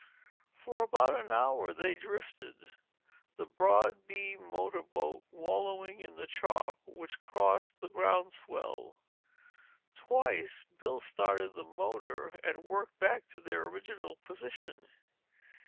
For about an hour they drifted, the broad beamed motor boat wallowing in the chop which crossed the ground swell. Twice Bill started the motor and worked back to their original position.